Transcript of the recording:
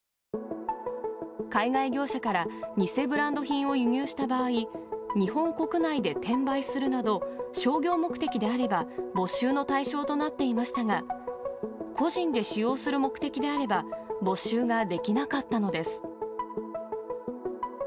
海外業者から、偽ブランド品を輸入した場合、日本国内で転売するなど、商業目的であれば、没収の対象となっていましたが、個人で使用する目的であれば、没収ができなかったのです。